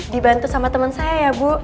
dibantu sama teman saya ya bu